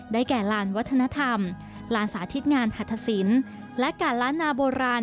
ได้แก่ร้านวัฒนธรรมร้านสาธิตงานหัฒสินและการร้านน้าโบราณ